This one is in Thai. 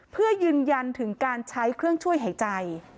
เพื่อยืนยันถึงการใช้เครื่องช่วยหายใจ